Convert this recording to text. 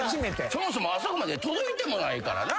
そもそもあそこまで届いてもないからな。